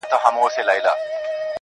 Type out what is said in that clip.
په مخه دي د اور ګلونه